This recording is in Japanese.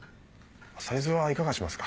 サイズはいかがしますか？